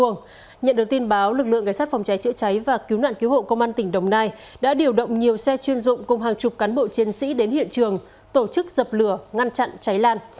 nhận được tin báo lực lượng ngay sát phòng cháy chữa cháy và cứu nạn cứu hộ công an tỉnh đồng nai đã điều động nhiều xe chuyên dụng cùng hàng chục cán bộ chiến sĩ đến hiện trường tổ chức dập lửa ngăn chặn cháy lan